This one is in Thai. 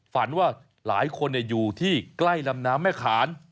ฝันว่าหลายคนอยู่ที่ใกล้ลำน้ำแม่ขาน